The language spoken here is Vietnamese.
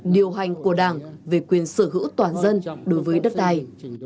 điều hành của đảng về quyền sở hữu toàn dân đối với đất đai